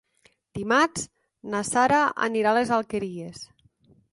Dimarts na Sara anirà a les Alqueries.